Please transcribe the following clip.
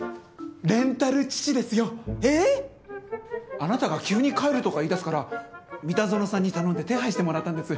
レンタル父ですよ。えっ！？あなたが急に帰るとか言い出すから三田園さんに頼んで手配してもらったんです。